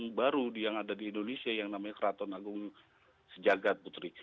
yang baru yang ada di indonesia yang namanya keraton agung sejagat putri